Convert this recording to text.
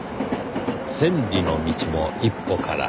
「千里の道も一歩から」。